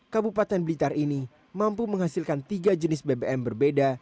kabupaten blitar ini mampu menghasilkan tiga jenis bbm berbeda